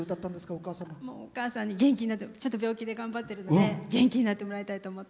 お母さんにちょっと病気で頑張ってるので元気になってもらいたいと思って。